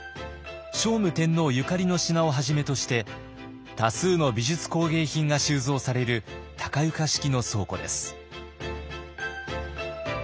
聖武天皇ゆかりの品をはじめとして多数の美術工芸品が収蔵される高床式の倉庫です。